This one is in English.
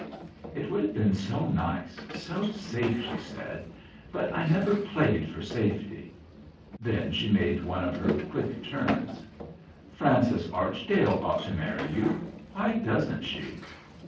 "It would have been so nice, so safe," she said. "But I never played for safety." Then she made one of her quick turns. "Frances Archdale ought to marry you. Why doesn't she?"